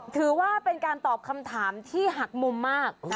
ถือว่าเป็นการตอบคำถามที่หักมุมมาก